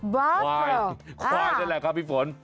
บาฟาโลอ้าวควายได้แหละค่ะพี่ฝน